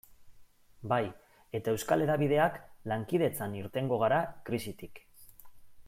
Bai, eta euskal hedabideak lankidetzan irtengo gara krisitik.